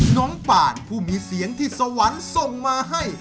น้องปานผู้มีเสียงที่สวรรค์ส่งมาให้